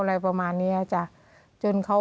อะไรประมาณนี้จ้ะจนเขา